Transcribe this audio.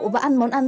và ăn món ăn